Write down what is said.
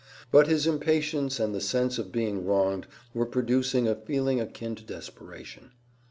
But his impatience and the sense of being wronged were producing a feeling akin to desperation.